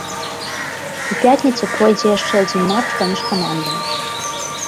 У пятніцу пройдзе яшчэ адзін матч паміж камандамі.